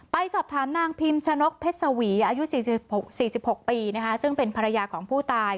ไปสอบถามนางพิมชะนกเพชรสวีอายุ๔๖ปีซึ่งเป็นภรรยาของผู้ตาย